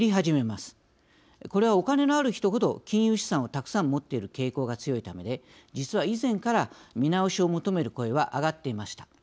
これはお金のある人ほど金融資産をたくさん持っている傾向が強いためで実は以前から見直しを求める声は上がっていました。